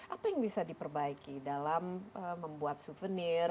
apa yang bisa diperbaiki dalam membuat souvenir